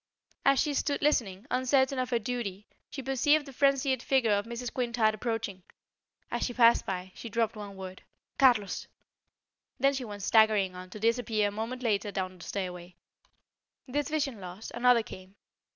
As she stood listening, uncertain of her duty, she perceived the frenzied figure of Mrs. Quintard approaching. As she passed by, she dropped one word: "Carlos!" Then she went staggering on, to disappear a moment later down the stairway. This vision lost, another came.